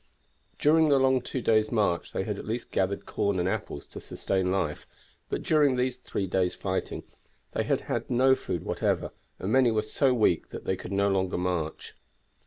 During the long two days' march they had at least gathered corn and apples to sustain life; but during these three days' fighting they had had no food whatever, and many were so weak that they could no longer march.